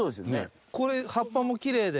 これ葉っぱもキレイで。